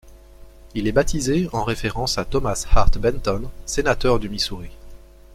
Il est baptisé en référence à Thomas Hart Benton sénateur du Missouri.